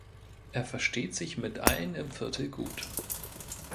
Er versteht sich mit allen im Viertel gut.